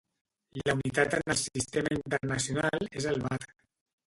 La unitat en el Sistema Internacional és el watt.